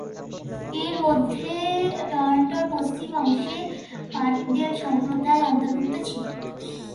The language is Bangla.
এর মধ্যে টরন্টোর পশ্চিম অংশে পার্কডেল সম্প্রদায় অন্তর্ভুক্ত ছিল।